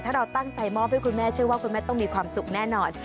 ถ้าเราตั้งใจมอบให้คุณแม่เชื่อว่าคุณแม่ต้องมีความสุขแน่นอน